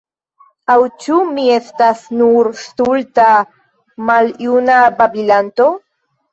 Aŭ ĉu mi estas nur stulta maljuna babilanto?